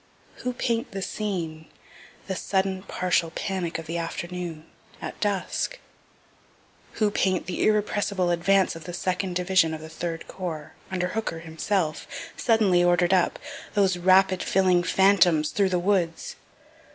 Who paint the scene, the sudden partial panic of the afternoon, at dusk? Who paint the irrepressible advance of the second division of the Third corps, under Hooker himself, suddenly order'd up those rapid filing phantoms through the woods?